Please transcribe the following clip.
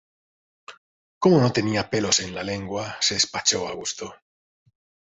Como no tenía pelos en la lengua, se despachó a gusto